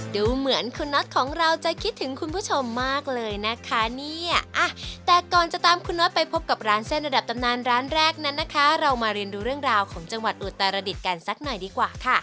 ดูเหมือนคุณน็อตของเราจะคิดถึงคุณผู้ชมมากเลยนะคะเนี่ยแต่ก่อนจะตามคุณน็อตไปพบกับร้านเส้นระดับตำนานร้านแรกนั้นนะคะเรามาเรียนดูเรื่องราวของจังหวัดอุตรดิษฐ์กันสักหน่อยดีกว่าค่ะ